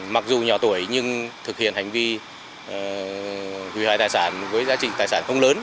mặc dù nhỏ tuổi nhưng thực hiện hành vi hủy hoại tài sản với giá trị tài sản không lớn